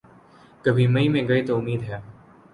کبھی مئی میں گئے تو امید ہے۔